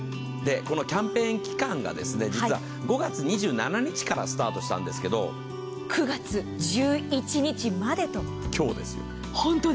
キャンペーン期間が５月２７日からスタートしたんですけど今日です。